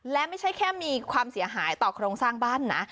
และไม่ใช่แค่มีความเสียหายต่อโครงสร้างบ้านนะ